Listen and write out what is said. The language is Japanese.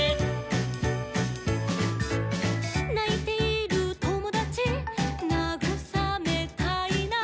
「ないているともだちなぐさめたいな」